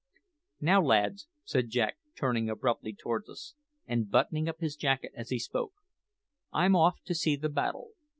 "Now, lads," said Jack, turning abruptly towards us, and buttoning up his jacket as he spoke, "I'm off to see the battle.